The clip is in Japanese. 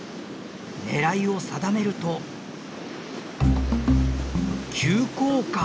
狙いを定めると急降下。